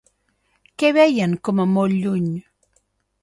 Què veien, com a molt lluny?